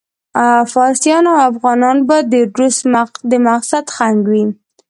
فارسیان او افغانان به د روس د مقصد خنډ وي.